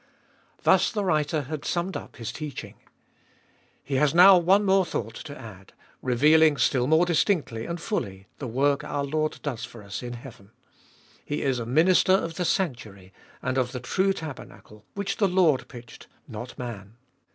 Thus the writer had summed up his teaching. He has now one more thought to add, revealing still more distinctly and fully the work our Lord does for us in heaven. He is a Minister of the sanctuary, and of the true tabernacle, which the Lord pitched, not man.